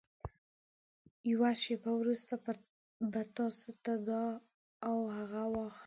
يوه شېبه وروسته به تاسې ته دا او هغه واخلم.